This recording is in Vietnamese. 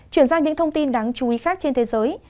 chuyển sang những thông tin đáng chú ý khác trên thế giới